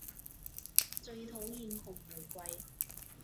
最討厭紅玫瑰